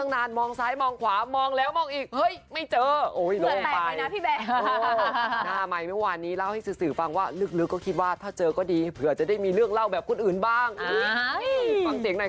น่าไม่รู้ว่านี้เล่าให้สิศิฟังว่าคิดว่าถ้าเจอก็ดีต้องเล่นภาพเนี่ย